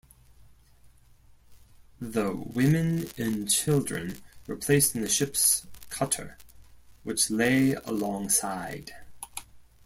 The women and children were placed in the ship's cutter, which lay alongside.